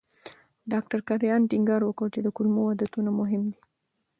ډاکټر کرایان ټینګار وکړ چې د کولمو عادتونه مهم دي.